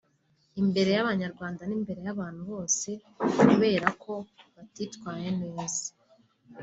imbere y’Abanyarwanda n’imbere y’Abantu bose kubera ko batitwaye neza